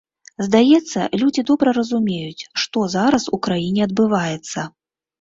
Здаецца, людзі добра разумеюць, што зараз у краіне адбываецца.